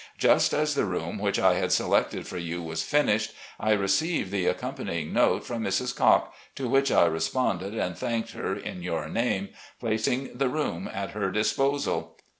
Just as the room which I had selected for you was finished, I received the accom panying note from Mrs. Cocke, to which I responded and thanked her in your name, placing the room at her disposal.